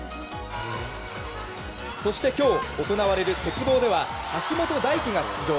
そして、今日行われる鉄棒では橋本大輝が出場。